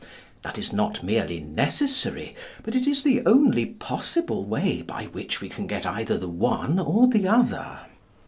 This is not merely necessary, but it is the only possible way by which we can get either the one or the other.